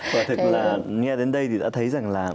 và thật là nghe đến đây thì đã thấy rằng là